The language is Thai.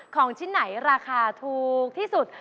ของชิ้นไหนราคาถูกที่สุด